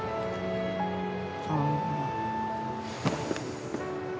ああ。